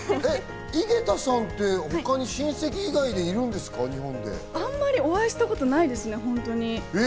井桁さんって、親戚以外で他に日本でいるんですか？あまりお会いしたことないですね。